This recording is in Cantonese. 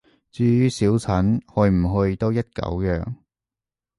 至於小陳，去唔去都一狗樣